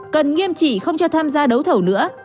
cần nghiêm chỉ không cho tham gia đấu thầu nữa